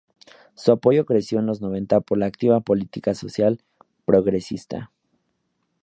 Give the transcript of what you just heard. Su apoyo creció en los noventa por la activa política social progresista.